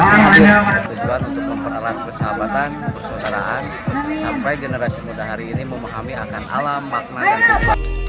tujuan untuk mempererat persahabatan persataraan sampai generasi muda hari ini memahami akan alam makna dan jenis